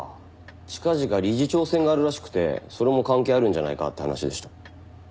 近々理事長選があるらしくてそれも関係あるんじゃないかって話でした。